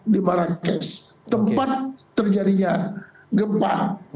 di marrakesh tempat terjadinya gempa